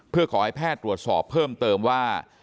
เพื่อขอให้แพทย์ตรวจสอบเพิ่มเติมว่า